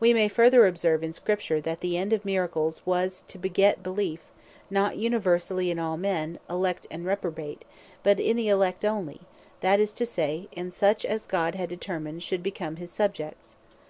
Wee may further observe in Scripture, that the end of Miracles, was to beget beleef, not universally in all men, elect, and reprobate; but in the elect only; that is to say, is such as God had determined should become his Subjects.